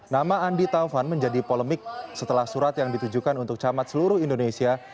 nama andi taufan menjadi polemik setelah surat yang ditujukan untuk camat seluruh indonesia